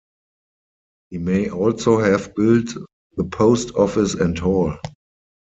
He may also have built the post office and hall.